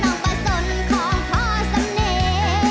สิไปทางได้กล้าไปน้องบ่ได้สนของพ่อสำนี